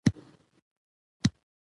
په خپله خر نلري د بل په آس پورې خاندي.